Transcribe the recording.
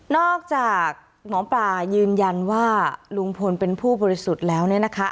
หมอปลายืนยันว่าลุงพลเป็นผู้บริสุทธิ์แล้วเนี่ยนะคะ